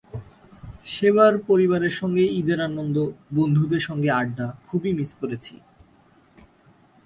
সেবার পরিবারের সঙ্গে ঈদের আনন্দ, বন্ধুদের সঙ্গে আড্ডা খুবই মিস করেছি।